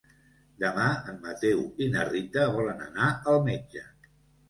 Demà en Mateu i na Rita volen anar al metge.